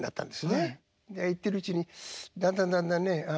で行ってるうちにだんだんだんだんねああ